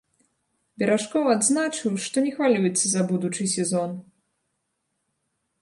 Беражкоў адзначыў, што не хвалюецца за будучы сезон.